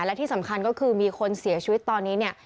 และที่สำคัญก็คือมีคนเสียชีวิตตอนนี้เนี่ย